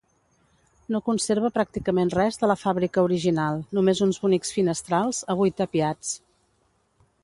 No conserva pràcticament res de la fàbrica original, només uns bonics finestrals, avui tapiats.